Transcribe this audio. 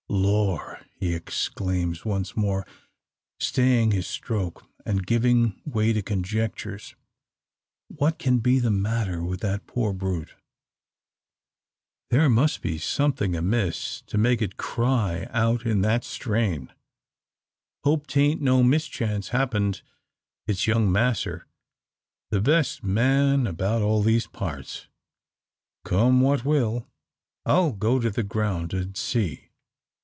"Lor!" he exclaims once more, staying his stroke, and giving way to conjectures, "what can be the matter with the poor brute? There must be something amiss to make it cry; out in that strain. Hope 'taint no mischance happened its young masser, the best man about all these parts. Come what will, I'll go to the ground, an' see."